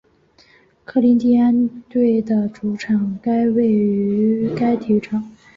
科林蒂安队的主场位于该体育场。